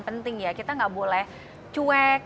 penting ya kita nggak boleh cuek